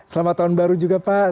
selamat tahun baru juga pak